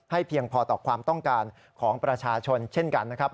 เพียงพอต่อความต้องการของประชาชนเช่นกันนะครับ